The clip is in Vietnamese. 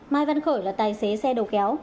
mai văn khởi là tài xế xe đầu kéo